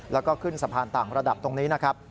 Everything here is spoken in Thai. แล้วก็ขึ้นสะพานต่างระดับตรงนี้นะครับ